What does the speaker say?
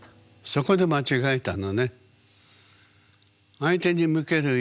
そこで間違えたのね。